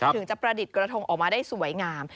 ถึงจะประดิษฐ์กระทงออกมาได้สวยงาม